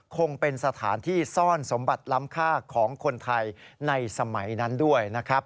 คงเป็นสถานที่ซ่อนสมบัติล้ำค่าของคนไทยในสมัยนั้นด้วยนะครับ